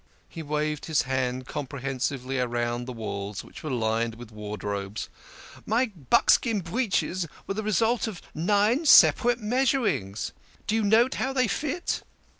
He waved his hand comprehensively around the walls which were lined with wardrobes. " My buckskin breeches were the result of nine separate measurings. Do you note how they fit?"